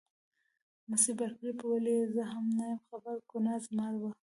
مس بارکلي: په ولې یې زه هم نه یم خبره، ګناه زما وه.